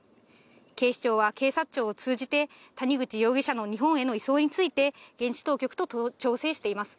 警視庁は警察庁を通じて、谷口容疑者の日本への移送について、現地当局と調整しています。